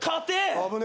危ねえ。